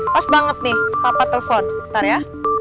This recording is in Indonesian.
pas banget nih papa telepon ntar ya